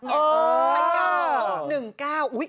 ไม่กล้าว๑กล้าว